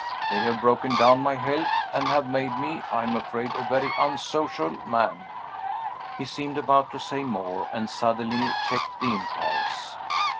They have broken down my health, and have made me, I am afraid, a very unsocial man." He seemed about to say more, and suddenly checked the impulse.